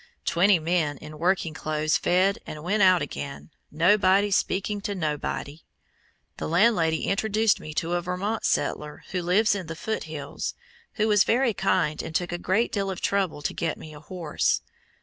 Twenty men in working clothes fed and went out again, "nobody speaking to nobody." The landlady introduced me to a Vermont settler who lives in the "Foot Hills," who was very kind and took a great deal of trouble to get me a horse.